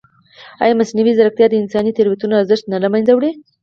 ایا مصنوعي ځیرکتیا د انساني تېروتنو ارزښت نه له منځه وړي؟